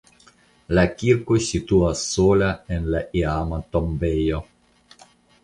La kirko situas sola en la iama tombejo.